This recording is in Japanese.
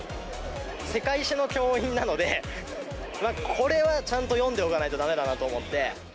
世界史の教員なので、これはちゃんと読んでおかないとだめだなと思って。